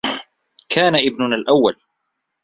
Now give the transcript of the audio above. كان ابننا الأوّل.